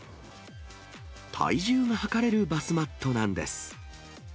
体重が測れるバスマットなんです。